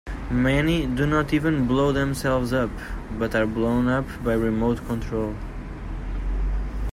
Many do not even blow themselves up, but are blown up by remote control.